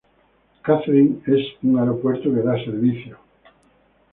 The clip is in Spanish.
Catherine es un aeropuerto que da servicio a St.